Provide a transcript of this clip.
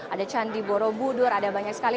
ada candi borobudur ada banyak sekali